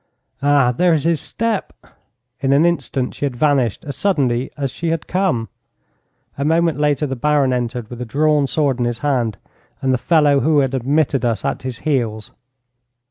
Ah, there is his step!' In an instant she had vanished as suddenly as she had come. A moment later, the Baron entered with a drawn sword in his hand, and the fellow who had admitted us at his heels.